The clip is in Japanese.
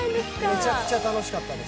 めちゃくちゃ楽しかったです。